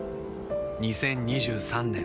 ２０２３年